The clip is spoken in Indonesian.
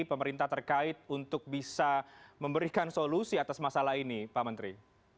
pemerintah terkait untuk bisa memberikan solusi atas masalah ini pak menteri